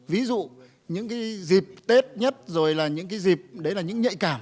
ví dụ những cái dịp tết nhất rồi là những cái dịp đấy là những nhạy cảm